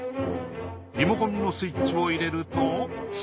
リモコンのスイッチを入れると。